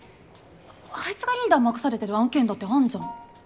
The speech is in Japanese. あいつがリーダー任されてる案件だってあんじゃん。